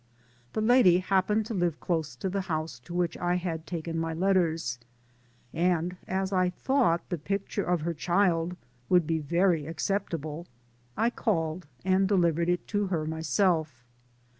The lady hap pened to live close to the house to which I had taken my letters ; and as I thought the picture of her child would be very acceptable, I called and delivered it to her myself.